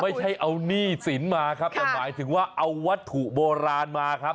ไม่ใช่เอาหนี้สินมาครับแต่หมายถึงว่าเอาวัตถุโบราณมาครับ